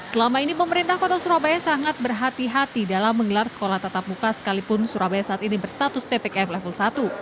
selama ini pemerintah kota surabaya sangat berhati hati dalam menggelar sekolah tetap muka sekalipun surabaya saat ini berstatus ppkm level satu